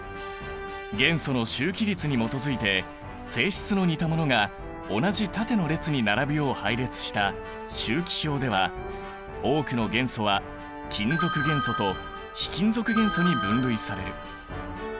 元素の周期律に基づいて性質の似たものが同じ縦の列に並ぶよう配列した周期表では多くの元素は金属元素と非金属元素に分類される。